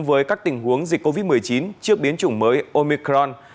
với các tình huống dịch covid một mươi chín trước biến chủng mới omicron